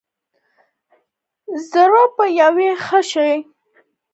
زړه به يې ښه شي.